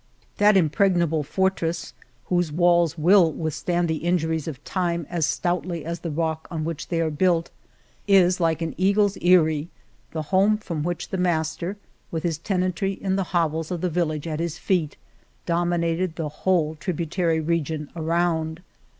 That im 98 Monteil. Monteil pregnable fortress, whose walls will with stand the injuries of time as stoutly as the rock on which they are built, is like an eagle's aerie, the home from which the master, with his tenantry in the hovels of the village at his feet, dominated the whole tributary region around.